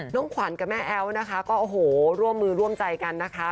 น้องขวัญกับแม่แอ๊วนะคะก็โอ้โหร่วมมือร่วมใจกันนะคะ